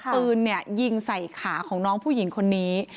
ปืนยิงใส่ขาของน้องผู้หญิงคนนี้